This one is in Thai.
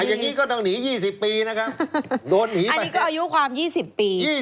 อันนี้ก็อายุความ๒๐ปี